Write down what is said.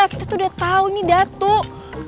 kita tuh udah tau ini datuk